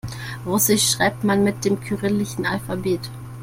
Russisch schreibt man mit dem kyrillischen Alphabet.